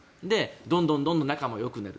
どんどん中もよくなる。